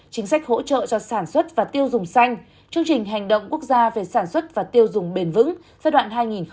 chính sách hỗ trợ cho sản xuất và tiêu dùng xanh chương trình hành động quốc gia về sản xuất và tiêu dùng bền vững giai đoạn hai nghìn một mươi sáu hai nghìn hai mươi